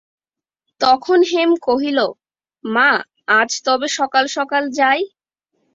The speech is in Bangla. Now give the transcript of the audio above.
তখন হেম কহিল, মা, আজ তবে সকাল-সকাল যাই।